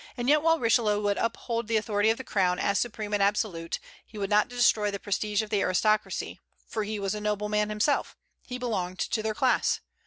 Yet while Richelieu would uphold the authority of the crown as supreme and absolute, he would not destroy the prestige of the aristocracy; for he was a nobleman himself, he belonged to their class.